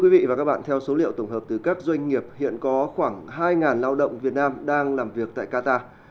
quý vị và các bạn theo số liệu tổng hợp từ các doanh nghiệp hiện có khoảng hai lao động việt nam đang làm việc tại qatar